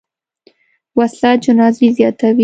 وسله جنازې زیاتوي